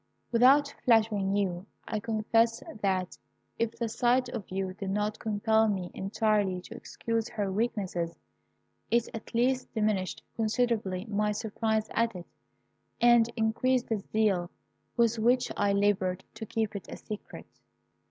"Without flattering you, I confess that, if the sight of you did not compel me entirely to excuse her weakness, it at least diminished considerably my surprise at it, and increased the zeal with which I laboured to keep it a secret.